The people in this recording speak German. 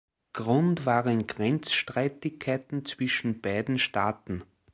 Grund waren Grenzstreitigkeiten zwischen beiden Staaten.